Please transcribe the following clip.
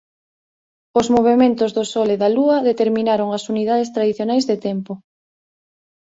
Os movementos do Sol e da Lúa determinaron as unidades tradicionais de tempo.